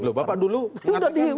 loh bapak dulu mengatakan ini